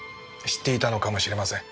知っていたのかもしれません。